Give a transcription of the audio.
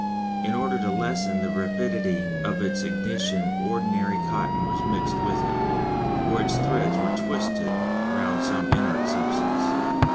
In order to lessen the rapidity of its ignition ordinary cotton was mixed with it, or its threads were twisted round some inert substance.